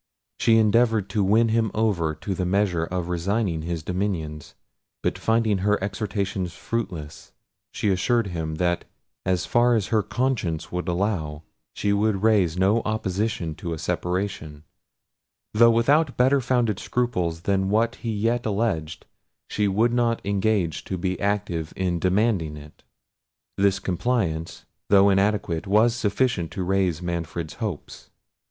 She endeavoured to win him over to the measure of resigning his dominions; but finding her exhortations fruitless, she assured him, that as far as her conscience would allow, she would raise no opposition to a separation, though without better founded scruples than what he yet alleged, she would not engage to be active in demanding it. This compliance, though inadequate, was sufficient to raise Manfred's hopes.